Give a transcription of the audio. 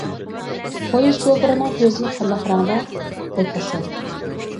پويىز شوپۇرىنىڭ كۆزى قانداق رەڭدە؟ بەك ئاسان.